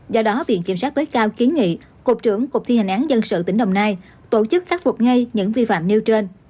do đó viện kiểm sát tối cao kiến nghị cục trưởng cục thi hành án dân sự tỉnh đồng nai tổ chức khắc phục ngay những vi phạm nêu trên